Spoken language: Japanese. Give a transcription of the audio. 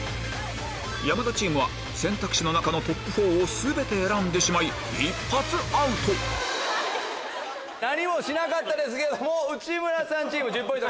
山田チームは選択肢の中のトップ４を全て選んでしまい一発アウト何もしなかったですけども内村さんチーム１０ポイント。